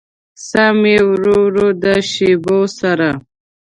ساه مې ورو ورو د شېبو سره